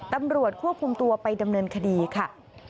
ตำรวจควบคุมตัวไปดำเนินคดีค่ะ